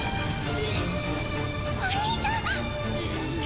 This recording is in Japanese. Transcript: お兄ちゃん！